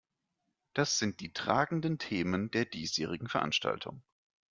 Das sind die tragenden Themen der diesjährigen Veranstaltung.